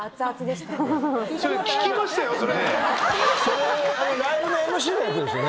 それライブのＭＣのやつですよね？